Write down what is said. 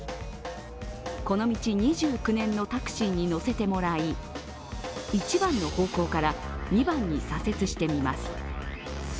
この道２９年のタクシーに乗せてもらい１番の方向から２番に左折してみます。